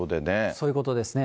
そういうことですね。